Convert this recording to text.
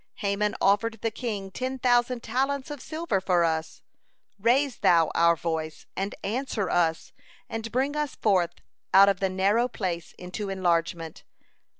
Haman offered the king ten thousand talents of silver for us. Raise Thou our voice, and answer us, and bring us forth out of the narrow place into enlargement.